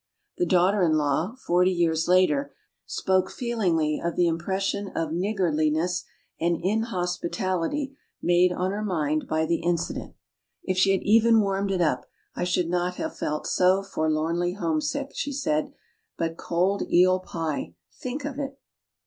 The daughter in law, forty years later, spoke feelingly of the impression of niggardliness and inhospitality made on her mind by the incident. "If she had even warmed it up, I should not have felt so forlornly homesick," she said. "But cold eel pie! Think of it!"